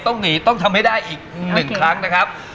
ต้องหนีต้องทำให้ได้อีก๑ครั้งนะครับ